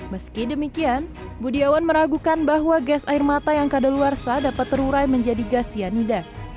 meski demikian budiawan meragukan bahwa gas air mata yang kadaluarsa dapat terurai menjadi gas cyanida